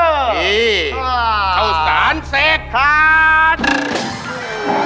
นี่เข้าสารเสกฆาตค่ะ